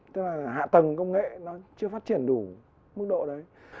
tức là hạ tầng công nghệ nó chưa phát triển đủ mức độ đấy